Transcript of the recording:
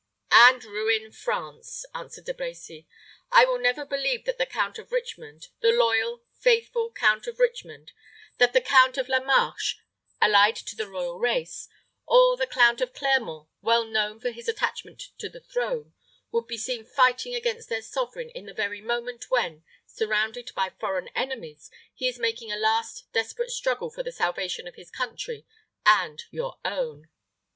"And ruin France!" answered De Brecy. "I will never believe that the Count of Richmond the loyal, faithful Count of Richmond that the Count of La Marche, allied to the royal race; or the Count of Clermont, well known for his attachment to the throne, would be seen fighting against their sovereign at the very moment when, surrounded by foreign enemies, he is making a last desperate struggle for the salvation of his country and your own."